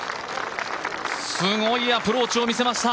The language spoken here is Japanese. すごいアプローチを見せました